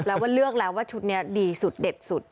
แล้วว่าเลือกแล้วว่าชุดนี้ดีสุดเด็ดสุด